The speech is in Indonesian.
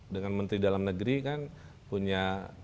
dengan menteri dalam negeri kan punya